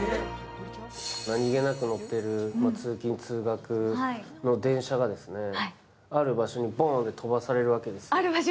何気なく乗っている通勤通学の電車がある場所にボンって飛ばされるわけです。